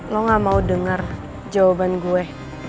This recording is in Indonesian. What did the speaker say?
lo gak mau dengar jawaban gue